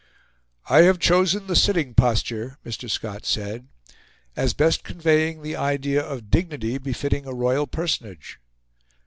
"I have chosen the sitting posture," Mr. Scott said, "as best conveying the idea of dignity befitting a royal personage."